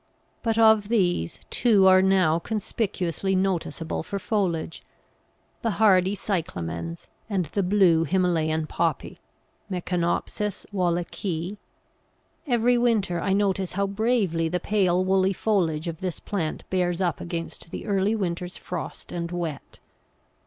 But of these, two are now conspicuously noticeable for foliage the hardy Cyclamens and the blue Himalayan Poppy (Meconopsis Wallichi). Every winter I notice how bravely the pale woolly foliage of this plant bears up against the early winter's frost and wet.